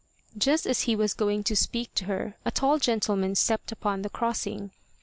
Just as he was going to speak to her, a tall gentleman stepped upon the crossing.